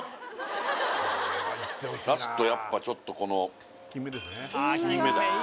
やっぱちょっとこの金目鯛